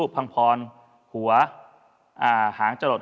ปั่งจิต